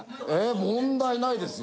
問題ないですよ。